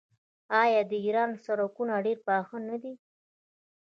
آیا د ایران سړکونه ډیر پاخه نه دي؟